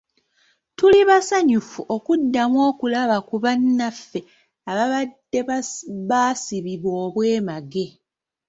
Tuli basanyufu okuddamu okulaba ku bannaffe ababadde baasibibwa obwemage.